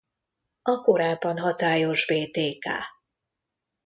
A korábban hatályos Btk.